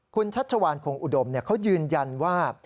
คุณชัชวานคงอุดมเขายืนยันว่า